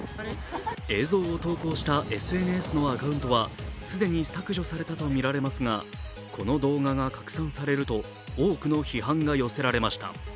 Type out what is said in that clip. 映像を投稿したＳＮＳのアカウントは既に削除されたとみられますがこの動画が拡散されると多くの批判が寄せられました。